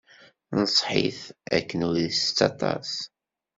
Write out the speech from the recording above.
Tenṣeḥ-it akken ur ittett aṭas.